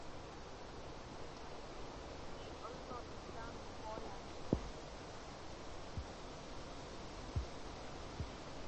See also Islam in Poland.